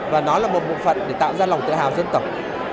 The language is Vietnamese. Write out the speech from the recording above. và nó là một bộ phận để tạo ra lòng tự hào dân tộc